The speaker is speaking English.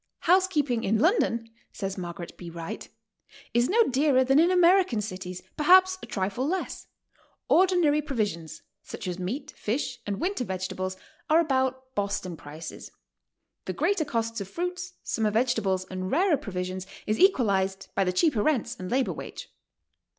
"Housekeeping in London," says Margaret B. Wright, "is no dearer than in American cities, perhaps a trifle less. Ordinary provisions, such as meat, fish and winter vegetables, are about Boston prices; the greater cost of fruits, summer vegetables and rarer provisions is equalized by the cheaper rents and labor wage.